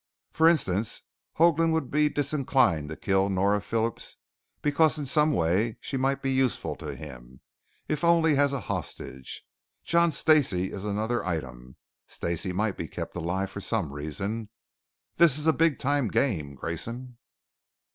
"For instance, Hoagland would be disinclined to kill Nora Phillips because in some way she might be useful to him if only as a hostage. John Stacey is another item; Stacey might be kept alive for some reason. This is a big time game, Grayson."